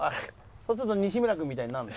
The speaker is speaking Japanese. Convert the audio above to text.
そうすると西村君みたいになるの。